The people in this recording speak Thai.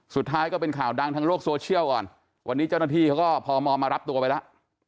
สุดท้ายก็เป็นข่าวดังทางโลกโซเชียลก่อนวันนี้เจ้าหน้าที่เขาก็พมมารับตัวไปแล้ว